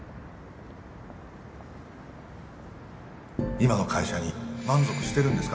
今の会社に満足してるんですか？